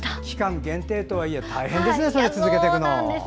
期間限定とはいえ大変ですね、続けていくの。